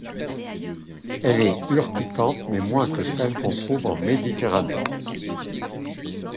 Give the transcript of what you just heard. Elle est urticante mais moins que celle qu'on trouve en Méditerranée.